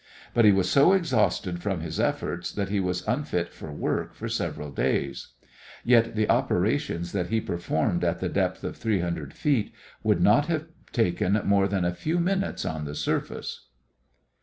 But he was so exhausted from his efforts that he was unfit for work for several days. Yet the operations that he performed at the depth of 300 feet would not have taken more than a few minutes on the surface.